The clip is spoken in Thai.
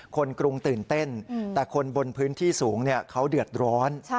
กรุงตื่นเต้นแต่คนบนพื้นที่สูงเขาเดือดร้อน